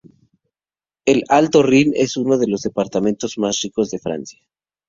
El Alto Rin es uno de los departamentos más ricos de Francia.